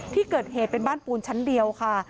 ที่เกิดเหตุเป็นบ้านปูนชั้นเดียวค่ะ